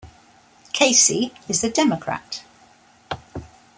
Casey is a Democrat.